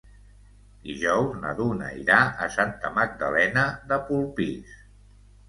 Dijous na Duna irà a Santa Magdalena de Polpís.